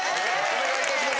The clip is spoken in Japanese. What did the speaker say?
お願い致します！